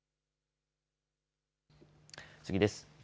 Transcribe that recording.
次です。